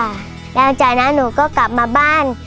หลังจากนั้นหนูก็กลับมาบ้าน